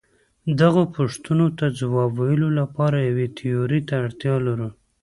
دغو پوښتنو ته ځواب ویلو لپاره یوې تیورۍ ته اړتیا لرو.